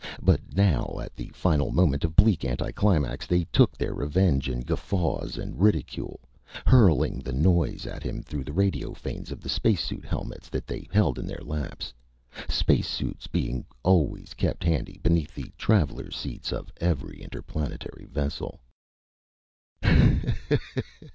But now, at the final moment of bleak anticlimax, they took their revenge in guffaws and ridicule, hurling the noise at him through the radiophones of the space suit helmets that they held in their laps space suits being always kept handy beneath the traveler seats of every interplanetary vessel.